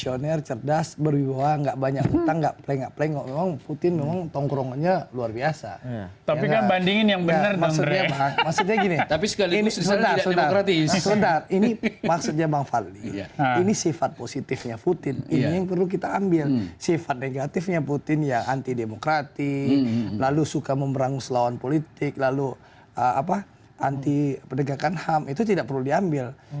sudah ini maksudnya bang fadli ini sifat positifnya putin ini yang perlu kita ambil sifat negatifnya putin ya anti demokrati lalu suka memberang selawan politik lalu anti pedagang ham itu tidak perlu diambil